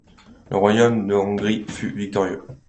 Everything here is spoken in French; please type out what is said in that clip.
Le royaume de Hongrie fut victorieux.